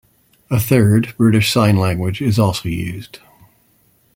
A third, British Sign Language is also used.